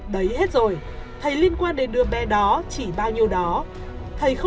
đấy hết rồi thầy liên quan đến đứa bé đó chỉ bao nhiêu đó